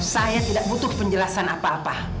saya tidak butuh penjelasan apa apa